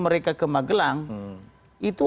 mereka ke magelang itu